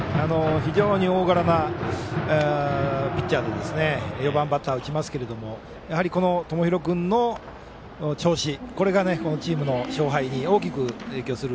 非常に大柄なピッチャーで４番バッターで打ちますがやはり友廣君の調子がこのチームの勝敗に大きく影響する。